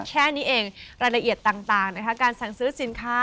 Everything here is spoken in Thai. แค่นี้เองรายละเอียดต่างนะคะการสั่งซื้อสินค้า